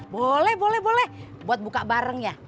boleh boleh buat buka bareng ya